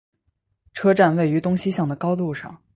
车站位于东西向的高路上。